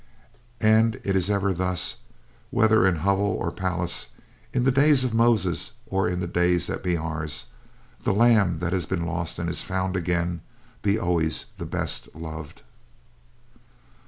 And it is ever thus; whether in hovel or palace; in the days of Moses, or in the days that be ours; the lamb that has been lost and is found again be always the best beloved.